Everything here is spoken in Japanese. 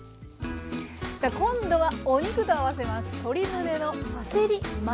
さあ今度はお肉と合わせます。